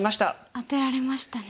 アテられましたね。